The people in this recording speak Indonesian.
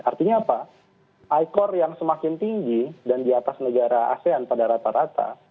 artinya apa ikor yang semakin tinggi dan di atas negara asean pada rata rata